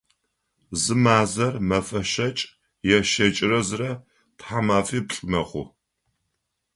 Зы мазэр мэфэ щэкӏ е щэкӏырэ зырэ, тхьэмэфиплӏ мэхъу.